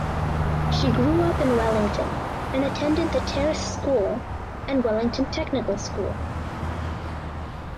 She grew up in Wellington and attended The Terrace School and Wellington Technical School.